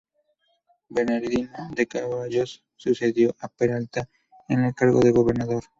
Bernardino de Ceballos sucedió a Peralta en el cargo de gobernador.